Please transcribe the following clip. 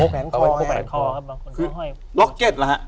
เป็นล็อเก็ตล่ะ